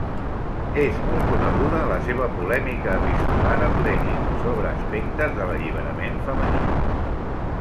És molt coneguda la seva polèmica epistolar amb Lenin sobre aspectes de l'alliberament femení.